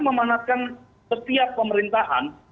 memandatkan setiap pemerintahan